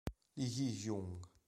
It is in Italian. Lee Hyo-jung